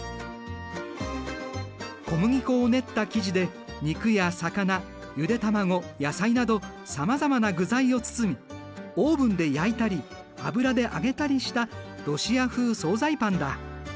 小麦粉を練った生地で肉や魚ゆで卵野菜などさまざまな具材を包みオーブンで焼いたり油で揚げたりしたロシア風総菜パンだ。